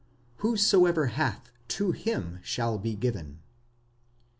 Whosoever hath, to him shall be given.